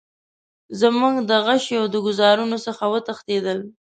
زموږ د غشیو له ګوزارونو څخه وتښتېدل.